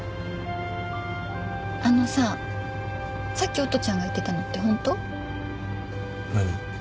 あのささっき音ちゃんが言ってたのってホント？何？